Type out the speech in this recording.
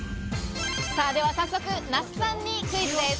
では早速、那須さんにクイズです。